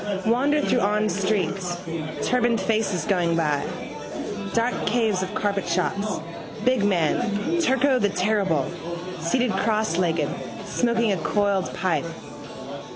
Wander through awned streets. Turbaned faces going by. Dark caves of carpet shops, big man, Turko the terrible, seated crosslegged, smoking a coiled pipe.